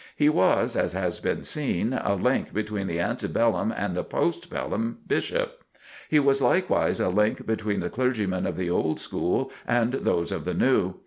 He was, as has been seen, a link between the ante bellum and the post bellum Bishop. He was likewise a link between the clergymen of the old school and those of the new.